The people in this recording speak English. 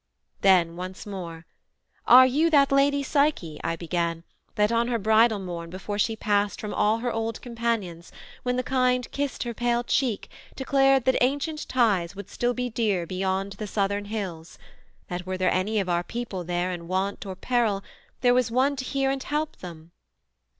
Then once more, 'Are you that Lady Psyche,' I began, 'That on her bridal morn before she past From all her old companions, when the kind Kissed her pale cheek, declared that ancient ties Would still be dear beyond the southern hills; That were there any of our people there In want or peril, there was one to hear And help them?